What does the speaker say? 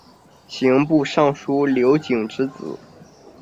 刑部尚书刘璟之子。